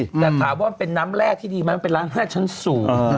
แต่ถามว่าเป็นน้ำแรกที่ดีมั้ยมันเป็นร้าน๕ชั้นสูง